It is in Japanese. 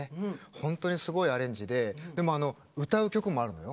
本当にすごいアレンジででも、歌う曲もあるのよ。